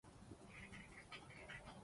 中华民国主权属于国民全体